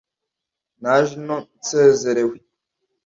naje ino nsezerewe